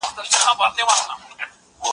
حضرت علي وايي چي پر هغه پرده باندي تصوير وو.